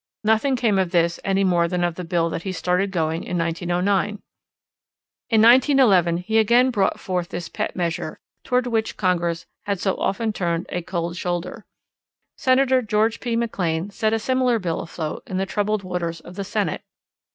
Nothing came of this any more than of the bill that he started going in 1909. In 1911 he again brought forward this pet measure toward which Congress had so often turned a cold shoulder. Senator George P. McLean set a similar bill afloat in the troubled waters of the Senate.